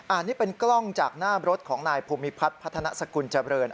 อันนี้เป็นกล้องจากหน้ารถของนายภูมิพัฒน์พัฒนาสกุลเจริญ